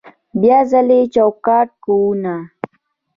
بیا ځلې چوکاټ کوونه